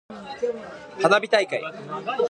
花火大会。